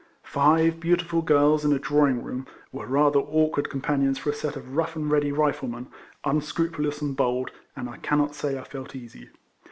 Five beautiful girls in a drawing room were rather awkward companions for a set of rough and ready Riflemen, unscrupulous and bold, and I cannot say I felt easy.